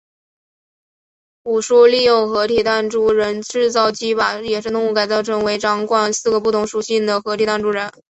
武殊利用合体弹珠人制造机把野生动物改造成为掌管四个不同属性的合体弹珠人。